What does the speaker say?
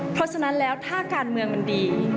เพราะฉะนั้นแล้วถ้าการเมืองมันดี